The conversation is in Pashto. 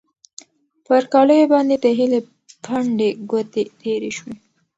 پر کالیو باندې د هیلې پنډې ګوتې تېرې شوې.